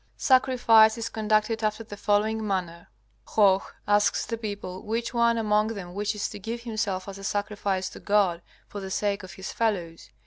Sacrifice is conducted after the following manner: Hoh asks the people which one among them wishes to give himself as a sacrifice to God for the sake of his fellows.